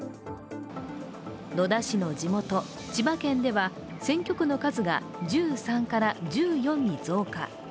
野田氏の地元、千葉県では選挙区の数が１３から１４に増加。